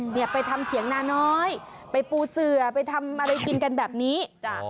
เนี่ยไปทำเถียงนาน้อยไปปูเสือไปทำอะไรกินกันแบบนี้